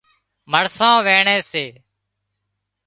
مرسان وينڻي سي